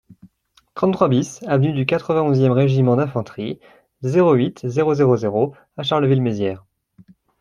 trente-trois BIS avenue du quatre-vingt-onze e Régiment d'Infanterie, zéro huit, zéro zéro zéro à Charleville-Mézières